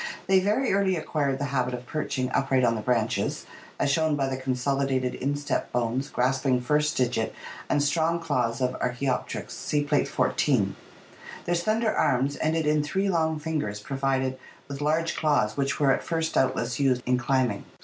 They very early acquired the habit of perching upright on the branches, as shown by the consolidated instep bones, grasping first digit and strong claws of Arckaopteryx (see Plate XIV). Their slender arms ended S3 6 ORGANIC EVOLUTION in three long fingers provided with large claws which were at first doubtless used in climbing.